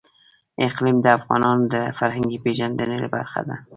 اقلیم د افغانانو د فرهنګي پیژندنې برخه ده.